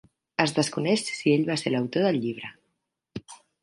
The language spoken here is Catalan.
Es desconeix si ell va ser l'autor del llibre.